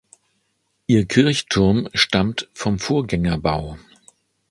Ihr Kirchturm stammt vom Vorgängerbau.